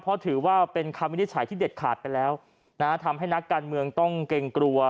เพราะถือว่าเป็นคำวินิจฉัยที่เด็ดขาดไปแล้วนะฮะทำให้นักการเมืองต้องเกรงกลัว